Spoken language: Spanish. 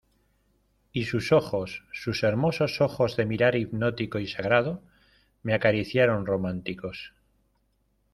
y sus ojos, sus hermosos ojos de mirar hipnótico y sagrado , me acariciaron románticos.